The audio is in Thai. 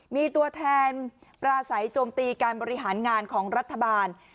มีตัวแทนปราศัยโจมตีการบริหารงานของรัฐบาล